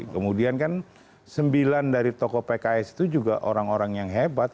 kemudian kan sembilan dari tokoh pks itu juga orang orang yang hebat